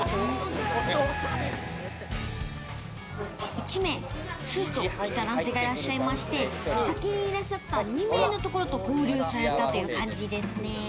１名、スーツを着た男性がいらっしゃいまして、先にいらっしゃった２名のところと合流されたという感じですね。